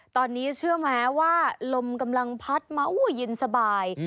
ตอนนี้เชื่อมั้ยว่าลมกำลังพัดมาอู้วยึนสบาย